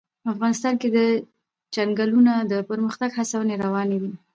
افغانستان کې د چنګلونه د پرمختګ هڅې روانې دي.